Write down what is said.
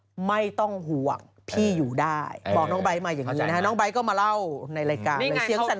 เราจะไม่พูดเรื่องการเมือง